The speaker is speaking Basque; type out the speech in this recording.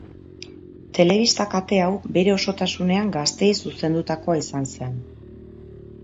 Telebista kate hau bere osotasunean gazteei zuzendutakoa izan zen.